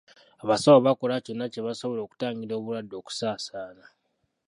Abasawo bakola kyonna kye basobola okutangira obulwadde okusaasaana.